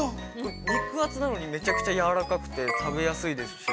肉厚なのに、めちゃくちゃやわらかくて食べやすいですし。